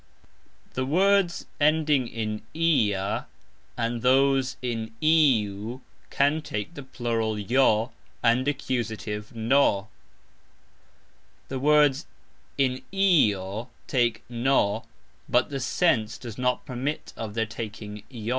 The words ending in "ia" and those in "iu" can take the plural "j" and accusative "n". The words in "io" take "n", but the sense does not permit of their taking "j".